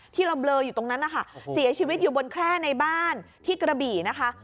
ที่เราเบลออยู่ตรงนั้นนะคะเสียชีวิตอยู่บนแคร่ในบ้านที่กระบี่นะคะ